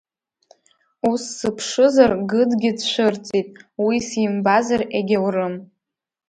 Ус, сыԥшызар Гыдгьы дцәырҵит, уи симбазар егьаурым.